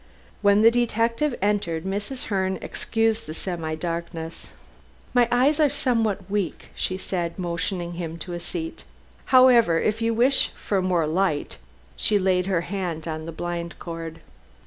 When the detective entered Mrs. Herne excused the semi darkness. "But my eyes are somewhat weak," she said, motioning him to a seat. "However, if you wish for more light " she laid her hand on the blind cord.